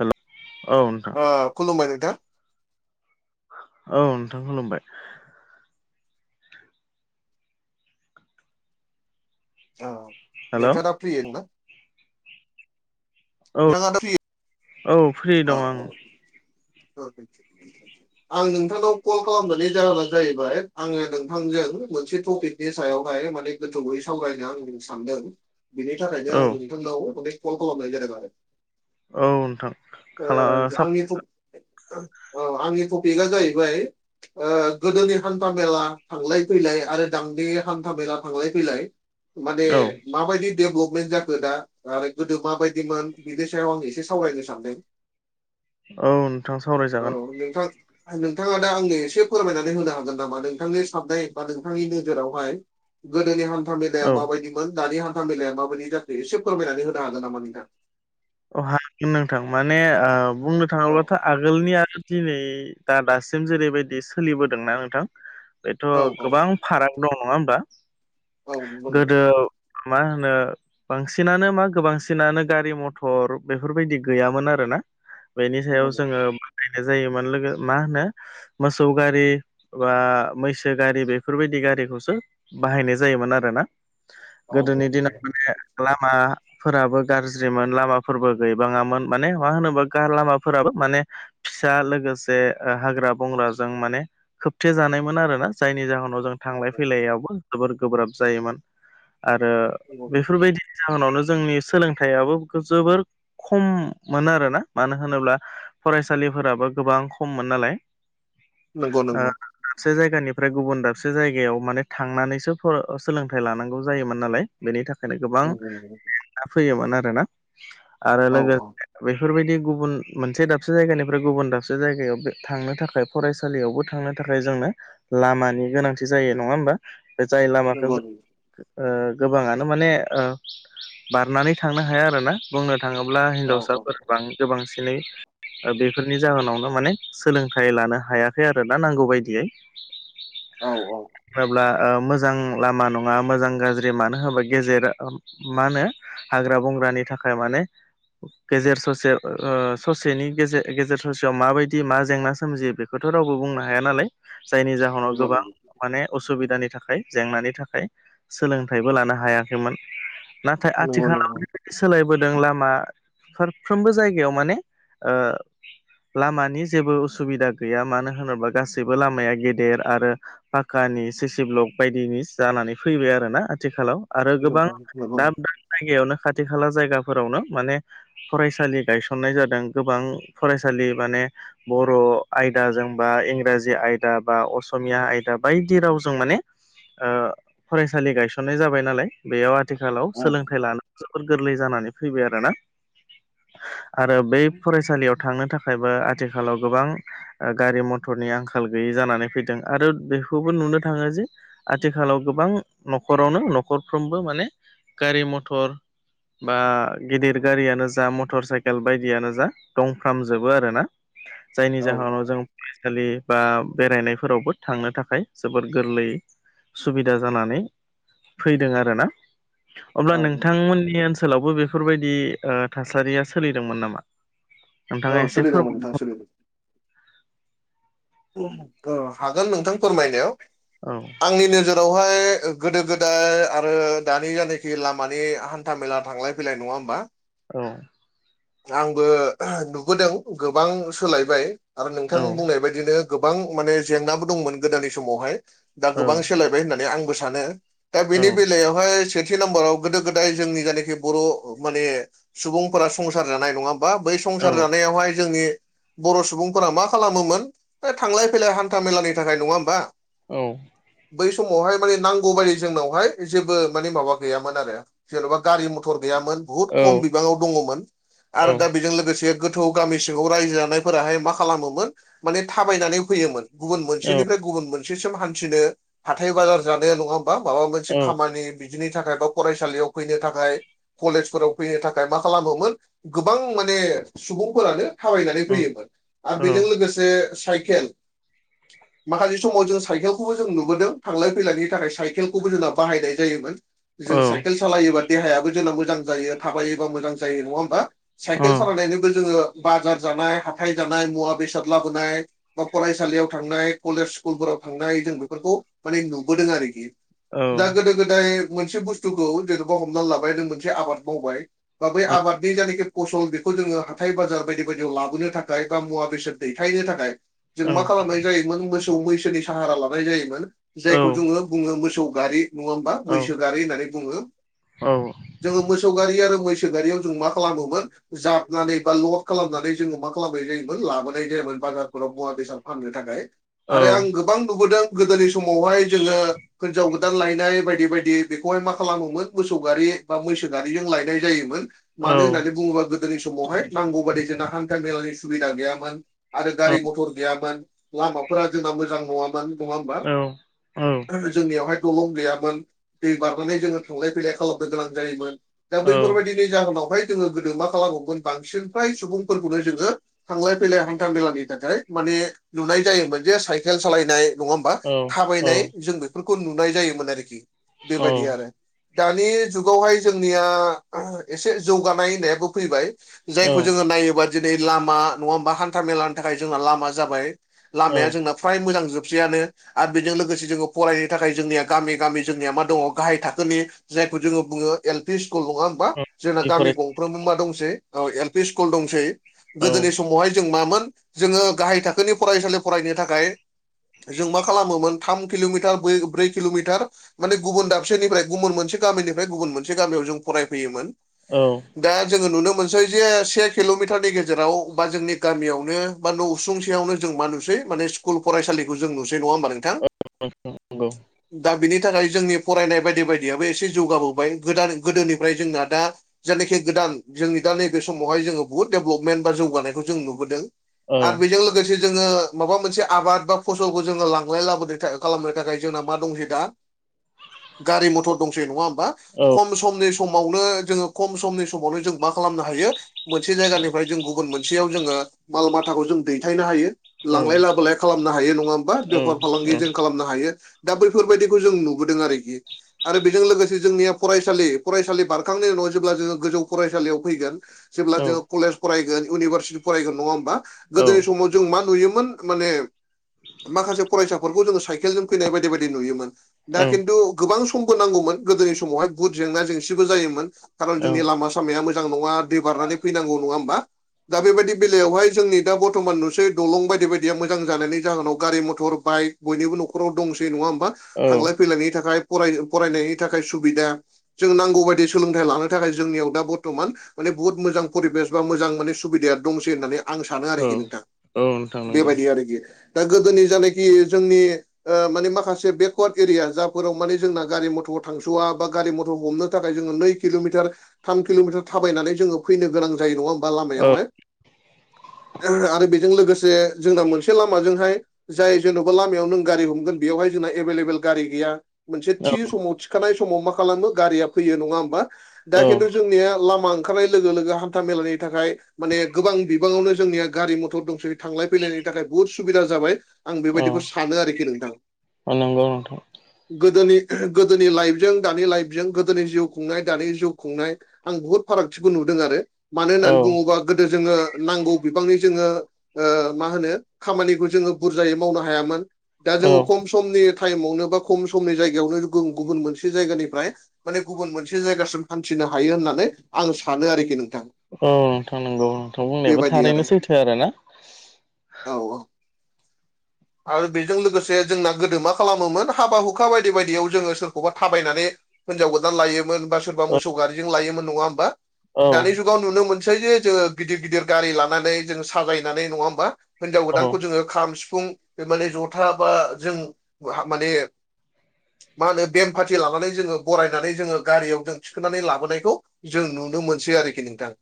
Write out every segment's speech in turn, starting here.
हेल' औ नोंथां। ओ खुलुमबाय नोंथां। औ नोंथां खुलुमबाय। औ हेल' नोंथाङा दा औ फ्रि दंना? औ फ्रि दं आं [inaudible] [unintelligible] आं नोंथांनाव कल खालामनायनि जाहोना जाहैबाय आङो नोंथांजों मोनसे टपिक नि सायावहाय माने गोथौयै सावरायनो आं सानदों। बिनि थाखायनो औ आं नोंथांनाव माने कल खालामनाय जादों आरो। औ नोंथां। ओ खाला औ आंनि [inaudible] औ आंनि टपिकआ जाहैबाय ओ गोदोनि हान्था मेला थांलाय फैलाय आरो दांनि हान्था मेला थांलाय फैलाय माने माबायदि डेभ्लपमेन्ट जाखो दा आरो गोदो माबायदिमोन बिनि सायाव आं एसे सावरायनो सानदों। औ नों औ नोंथां। नोंथाङा दा आंनो एसे फोरमायनानै होनो हागोन नामा नोंथांनि साननाय बा नोंथांनि नोजोरावहाय गोदोनि हान्था मेलाया औ माबायदिमोन दानि हान्था मेलाया माबायदि जाखो एसे फोरमायनानै होनो हागोन नामा नोंथां? अ हागोन नोंथां माने ओ बुंनो थाङोब्लाथ' आगोलनि आरो दिनै दा-दासिम जेरैबायदि सोलिबोदोंना नोंथां बेथ' औ औ गोबां फाराग दं नङा होमबा औ नंगौ नंगौ गोदो मा होनो बांसिनानो मा गोबांसिनानो गारि मथ थर बेफोरबायदि गैयामोन आरोना बेनि सायाव नंगौ जोङो [unintelligible] जायोमोन लोगो मा होनो मोसौ गारि बा मैसो गारि बेफोरबायदि गारिखौसो बाहायनाय जायोमोन आरो ना। गोदोनि औ दिनाव माने लामाफोराबो गारज्रिमोन। लामाफोरबो गैबाङामोन माने मा होनोबा गा लामाफोराबो माने फिसा लोगोसे ओ हाग्रा बंग्राजों माने खोबथे जानायमोन आरोना जायनि जाहोनाव जों थांलाय फैलाययावबो जोबोर गोब्राब जायोमोन आरो औ बेफोरबादि जाहोनावनो जोंनि सोलोंथाइयाबो जोबोर खम मोनो आरोना मानो होनोब्ला फरायसालिफोराबो गोबां खममोन नालाय। नंगौ ओ नंगौ। दाबसे जायगानिफ्राय गुबुन दाबसे जायगायाव माने थांनानैसो सोलोंथाइ लानांगौ जायोमोन नालाय। बेनि थाखायनो औ गोबांना हेथा फैयोमोन आरोना आरो लोगोसे बे बेफोरबायदि गुबुन मोनसे दाबसे जायगानिफ्राय गुबुन दाबसे जायगायाव थांनो थाखाय फरायसा थसालियावबो थांनो थाखाय जोंनो लामानि गोनांथि जायो नङा होमबा बे जाय लामाखौ नंगौ जों ओ गोबाङानो माने ओ बारनानै थांनो हाया आरो ना। बुंनो थाङोब्ला औ हिनजावसाफोर बांसिनाव बांसिनै। बेफोरनि जाहोनावनो माने सोलोंथाइ लानो हायाखै दा नांगौ बायदियै। [inaudible] औ औ होनोब्लाओ मोजां लामा नङा मोजां गाज्रि मानो होनोबा गेजेर मा होनो हाग्रा बंग्रानि थाखाय माने गेजेर ससे ओ ससेनि गेजेर गेजेर ससेयाव माबायदि मा जेंना सोमजियो बेखौ खौथ' रावबो बुंनो हाया नालाय जायनि जाहोनाव नंगौ गोबां। नंगौ माने असुबिदानि थाखाय जेंनानि थाखाय सोलोंथाइबो लानो हायाखैमोन। नाथाय नंगौ आथिखालाव ओरैबायदि सोलायबोदों लामा फारफ्रोमबो जायगायाव माने ओ लामानि जेबो उसुबिदा गैया मानो होनोबा गासैबो लामाया गेदेर आरो पाकानि सिसि ब्लक बायदिनि जानानै फैबाय आरोोना आथिखालाव आरो गोबां नंगौ नंगौ दाब नंगौ दाब जायगायावनो खाथि खाला जायगाफोरावनो माने फरायसालि गायसननाय जादों गोबां फरायसालि माने। बर' आयदाजों बा इंराजि आयदा बा असमिया आयदा रावजों माने। ओ फरायसालि गायसननाय जाबाय नालाय बेयाव आथिखालाव औ सोलोंथाइ लानो जोबोर गोरलै जानानै फैबाय आरो ना आरो बै फरायसालियाव थांनो थाखायबो आथिखालाव गोबां ओ गारि मथरनि आंखाल गैयि जानानै फैदों आरो बेखौबो नुनो थाङो जे- आथिखालाव गोबां न'खरावनो न'खरफ्रोमबो माने गारि मथर बा गिदिर गारियानो जा मटर साइकेल बायदियानो जा दंफ्रामजोबो आरोना। जायनि औ जाहोनाव औ जों फरायसालि बा बेरायनायफोरावबो थांनो थाखाय जोबोद गोरलै सुबिदा जानानै फैदों आरोना। अब्ला नोंथांमोननि ओनसोलावबो बेफोरबायदि ओ थासारिया सोलिदोंमोन नामा? नोंथाङा औ एसे फोर सोलिदोंमोन नोंथां [unintelligible] सोलिदों ओ हागोन नोंथां फोरमायनायाव औ आंनि नोजो रावहाय गोदो गोदाय आरो दानि जायानखि लामानि हान्था मेला थांलाय फैलाय नङा होमबा? औ आंबो नुबोदों गोबां सोलायबाय आरो औ नोंथां बुंनाय बायदि नो गोबां माने जेंनाबो दंमोन गोदोनि समावहाय दा औ गोबां सोलायबाय होननानै आंबो सानो। दा औ बेनि बेलायावहाय सेथि नाम्बाराव गोदो गोदाय जोंनि जायनाखि बर' माने सुबुंफोरा संसार जानाय नङा बा बै औ संसार जानायावहाय जोंनि बर'सुबुंफोरा मा खालामोमोन हो थांलाय फैलाय हान्था मेलानि थाखाय नङा होमबा औ बै समावहाय माने नांगौ बादि जोंनावहाय जेबो माबा गैयामोन आरो। जेन'बा गारि मथर गैयामोन बुहुत औ खम बिबाङाव दङमोन। औ आरो दा बेजों लोगोसे गोथौ गामि सिङाव रायजो जानायफोराहाय मा खालामोमोन माने थाबायनानै फैयोमोन गुबुन औ मोनसेनिफ्राय गुबुन मोनसेसिम हान्थिनो हाथाय बाजार जानो नङा होम बा माबा मोनसे औ खामानि बिदिनि थाखाय बा फरायसालियाव फैनो थाखाय कलेजफोराव फैनो थाखाय मा खालामोमोन गोबां माने सुबुंफोरानो थाबायनानै फैयोमोन आरो बेजों लोगोसे साइकेल माखासे समाव जों साइकेलखौबो जों नुबोदों थांलाय फैलायनि थाखाय साइकेलखौबो जोंना बाहायनाय जायोमोन। औ जों साइकेल सालायोबा देहायाबो जोंना मोजां जायो थाबायोबा मोजां जायो नङा होमबा? औ साइकेल सालायनायजोंबो जोङो बाजार जानाय हाथाय जानाय मुवा बेसाद लाबोनाय बा फरायसालियाव थांनाय कलेज स्कुलफोराव थांनाय जों बेफोरखौ माने नुबोदों आरोखि। दा गोदो गोदाय मोनसे बुस्थुखौ जेन'बा हमना लाबाय नों मोनसे आबाद मावबाय बा बै आबादनि जानिखि फसल बेखौ जोङो हाथाइ बाजार बायदि बायदियाव लाबोनो थाखाय बा मुवा बेसाद दैथायनो थाखाय जों मा खालामनाय जायोमोन मोसौ मैसोनि साहारा लानाय जायोमोन। जायखौ जोङो बुङो मोसौ गारि नङा होमबा मैसो गारि होननानै बुङो। जोङो मोसौ गारि आरो मैसो गारियाव जों मा खालामोमोन जाबनानै बा लद खालामनानै जोङो मा खालामनाय जायोमोन लाबोनाय जायोमोन बाजारफोराव। मुवा बेसाद फाननो थाखाय आरो आं गोबां नुबोदों गोदोनि समावहाय जोङो हिनजाव गोदान लायनाय बायदि बायदि बेखौहाय मा खालामोमोन मोसौ गारि बा मैसो गारिजों लायनाय जायोमोन मानो होननानै बुङोबा गोदोनि समावहाय नांगौ बादि जोंना हान्था मेलानि सुबिदा गैयामोन आरो गारि मथर गैयामोन लामाफोरा जोंना मोजां नङामोन नङा होमबा? गोदो जोंनियावहाय दलं गैयामोन। दै बारनानै जोङो थांलाय फैलाय खालामनो गोनां जायोमोन दा बैफोरबायदि नि जाहोनावहाय जोङो गोदो मा खालामोमोन बांसिन फ्राय सुबुंफोरखौनो जोङो थांलाय फैलाय हानथा मेलानि थाखाय माने नुनाय जायोमोन जे साइकेल सालायनाय नङा होमबा थाबायनाय जों बे फोरखौ नुनाय जायोमोन आरोखि बेबायदि आरो। दानि जुगावहाय जोंनिया एसे जौगानाय होननायाबो फैबाय। जायखौ जोङो नायोबा दिनै लामा नङा होमा हान्था मेलानि थाखाय जोंहा लामा जाबाय। लामाया जोंना फ्राय मोजां जोबसैआनो। आरो बेजों लोगोसे जोङो फरायनो थाखाय जोंनिया गामि गामि जोंनिया मा दङ गाहाय थाखोनि जायखौ जोङो बुङो एल पि स्कुल नङा होनबा? जोंना गामि गंफ्रोमबो मा दंसै ओ एल पि स्कुल दंसै। गोदोनि समावहाय जों मामोन जोङो गाहाय थाखोनि फरायसालि फरायनो थाखाय जों मा खालामोमोन थाम किल'मिटार बै ब्रै किल'मिटार माने गुबुन दाबसेनिफ्राय गुमुन मोनसे गामिनिफ्राय गुबुन मोनसे गामियाव जों फरायफैयोमोन। औ दा जोङो नुनो मोनसै जे से किल'मिटारनि गेजेराव बा जोंनि गामियावनो बा न' सुंसेयावनो जों मा नुसै माने स्कुल फरायसालिखौ जों नुसै नङा होमबा नोंथां? नंगौ दा बिनि थाखाय जोंनि फरायनाय बायदि बायदियाबो एसे जौगाबोबाय गोदान गोदोनिफ्राय जोंना दा जेनाखि गोदान जोंनि दा नैबे समावहाय जोङो बहुत डेभेलपमेन्ट बा जौगानायखौ जों नुबोदों। औ नंगौ आर बेजों लो गोसे जोङो माबा मोनसे आबाद बा फसलखौ जोङो लांलाय लाबोलाय था खालामो थाखाय जोंना मा दंसै दा [inaudible] गारि मथर दंसै नङा होमबा औ खम समनिस समावनो जोङो खम समनि समावनो जों मा खालामनो हायो? मोनसे जायगानिफ्राय जों गुबुन मोनसेयाव जोङो माल माथ थाखौ जों दैथायनो हायो लांलाय लाबोलाय खालामनो हायो नङा ओमबा औ बेफार औ फालांगि जों खालाम नो हायो दा बैफोरबायदिखौ जों नुबोदों आरोखि। आरो बेजों लोगोसे जोंनिया फरायसालि फरायसालि बारखांनायनि उनाव जेब्ला जोङो गोजौ फरायसालियाव फैगोन जेब्ला औ जोङो कलेज फरायगोन उनिभारसि फरायगोन नङा ओमबा औ गोदोनि समाव जों मा नुयोमोन माने माखासे फरायसाफोरखौ जोङो साइकेलजों फैनाय बायदि बायदि नुयोमोन। दा किन्तु गोबां समबो नांगौमोन गोदोनि समावहाय बुद जेंना जेंसिबो जायोमोन खारन औ जोंनि लामास सामाया मोजां नङा दै बारनानै फैनांगौ नङा ओमबा दा बेबायदि बेलायावहाय जोंनि दा बरतमान नुसै दलं बायदि बायदिया मोजां जानायनि जाहोनाव गारि मथर बाइक बयनिबो न'खराव दंसै नङा होमबा औ थांलाय फैलायनि थाखाय फराय फरायनायनि थाखाय सुबिदा जोङो नांगौ बायदि सोलोंथाइ लानो थाखाय जोंनियाव दा बर्थमान माने बुहुत मोजां परिबेस बा मोजां माने सुबिदाया दंसै होननानै आं सानो औ आरोखि नोंथां औ नोंथां नंगौ बेबायदि आरोखि दा गोदोनि जानोखि जोंनि ओ माने माखासे बेकवार्ड एरिया जाफोराव माने जोंना गारि मथर थांस'वा बा गारि मथर हमनो थाखाय जोङो नै किल'मिटार थाम किल'मिटार थाबायनानै जोङो फैनो गोनां जायो नङा ओमबा औ लामायावहाय। आरो बेजों लोगोसे जोंना मोनसे लामाजोंहाय जाय जेन'बा लामायाव नों गारि हमगोन बेयावहाय जोंना एभेलेबेल गारि गैया मोनसे औ थि समाव थि खानाय समाव मा खालामो गारिया फैयो नङा होमबा दा खिन्थु जोंनिया लामा ओंखारनाय लोगो लोगो हान्था मेलानि थाखाय माने गोबां बि बाङावनो जोंनिया गारि मथर दंसै थांलाय फैलायनि थाखाय बुहुद सुबिदा जाबाय। आं औ बेबायदिखौ सानो आरोखि नोंथां। औ नंगौ नोंथां गोदोनि गोदोनि लाइफजों दानि लाइफजों गोदोनि जिउ खुंनाय दानि जिउ खुंनाय आं बुहुद फारागथिखौ नुदों आरो मानो औ होननानै बुङोबा गोदो जोङो नांगौ बिबांनि जोङो ओ मा होनो खामानिखौ जोङो बुरजायै मावनो हायामोन। दा औ जोङो खम समनि टाइमावनो बा खम समनि जायगायावनो गु-गुबुन मोनसे जायगानिफ्राय माने गुबुन मोनसे जायगासिम हान्थिनो हायो होननानै आं सानो आरोखि नोंथां। औ नोंथां नंगौ नोंथां बुंनायाबो बेबायदि आरो थारैनो सैथो आरो ना? औ औ आरो बेजों लोगोसे जोंना गोदो मा खालामोमोन हाबा हुखा बायदि बायदियाव जोङो सोरखौबा थाबायनानै हिनजाव गोदान लायोमोन बा सोरबा औ मोसौ गारिजों लायोमोन नङा होमबा औ दानि जुगाव नुनो मोनसै जे जोङो गिदिर गिदिर गारि लानानै जोङो साजायनानै नङा होमबा? हिनजाव औ गोदानखौ जोङो खाम सिफुं ओ माने जथा बा जों हा माने मा होनो बेम पाथिटि लानानै जोङो बरायनानै जोङो गारियाव जों थिखांनानै लाबोनायखौ जों नुनो मोनसै आरोखि नोंथां।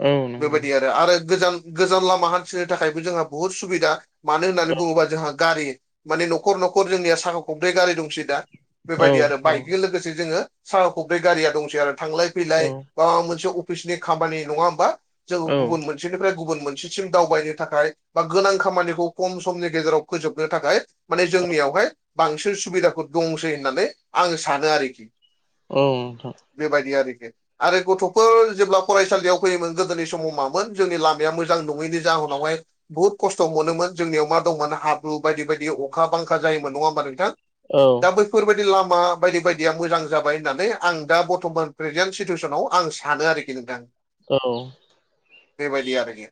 औ नों बेफोर बायदि आरो आरो गोजाम गोजाम लामा हान्थिनो थाखायबो जोंहा बुहुद सुबिदा मानो होननानै बुङोबा जोंहा गारि माने न'खर न'खर जोंनिया साखा खब्रै गारि दंसै दा। बेफोर औ बायदि आरो औ बाइकजों लोगोसे जोङो साखा खब्रै गारिया दंसै आरो थांलाय फैलाय औ बा मोनसे अफिसनि खामानि नङा होमबा जोंङो औ गुबुन मोन मोनसेनिफ्राय गुबुन मोनसेसिम दावबायनो थाखाय बा गोनां खामानिखौ कम समनि गेजेराव फोजोबनो थाखाय माने जोंनियावहाय बांसिन सुबिदाफोर दंसै होननानै आं सानो आरोखि। उम बेबायदि आरोखि। आरो गथफोर जेब्ला फरायसालियाव फैयोमोन गोदोनि समाव मामोन जोंनि लामाया मोजां नङैनि जाउनावहाय बुहुत खस्थ मोनोमोन जोंनियाव मा दंमोन हाब्रु बायदि बायदि अखा बांखा जायोमोन नङा होमबा नोंथां। औ दा बैफोरबायदि लामा बायदि बायदिया मोजां जाबाय होननानै आं दा बर्थमान प्रेजेन्ट सिटुवेसनाव आं सानो आरोखि। नोंथां औ बेबायदि आरोखि।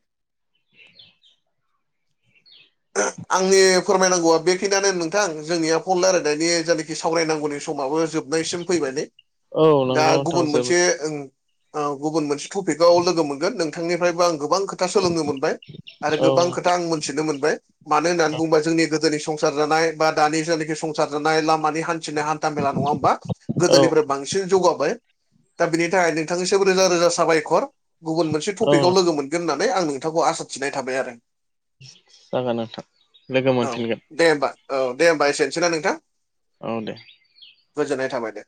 [inaudible] [inaudible] आंनि फोरमायनांगौआ बेखिनियानो नोंथां जोंनिया फन रायलायनायनि जायनाखि सावरायनांगौनि समाबो जोब नायसिम फैबाय नै औ दा नंगौ नोंथां गुबुन मोनसे जोबोद ओ गुबुन मोनसे टपिकाव लोगो मोनगोन नोंथांनिफ्रायबो आं गोबां खोथा सोलोंनो मोनबाय। आरो औ गोबां नोंथां खोथा आं मोनथिनो मोनबाय। मानो होननानै बुङोबा जोंनि गोदोनि संसार जानाय बा दानि जानाखि संसार संसार जानाय लामानि हान्थिनाय हान्था मेला होमबा औ बांसिन जौगाबाय। दा बिनि थाखाय नोंथांनिसिम रोजा रोजा साबायखर गुबुन मोनसे औ टपिकआव लोगो मोन गोन होननानै आं नोंथांखौ आसा थिनाय थाबाय आरो। जागोन नोंथां लोगो औ मोनफिनगोन। दे होमबा औ दे होमबा एसेनोसै ना नोंथां। औ दे। गोजोननाय थाबायदे।